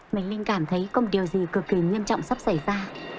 mình linh cảm thấy không điều gì cực kỳ nghiêm trọng sắp xảy ra